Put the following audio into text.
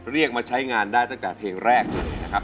เรียกมาใช้งานได้ตั้งแต่เพลงแรกเลยนะครับ